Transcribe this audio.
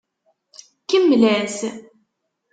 Kemmel-as.